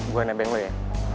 gue nembeng lu ya